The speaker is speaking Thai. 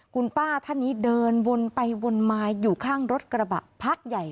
คุณป้าท่านนี้เดินวนไปวนมาอยู่ข้างรถกระบะพักใหญ่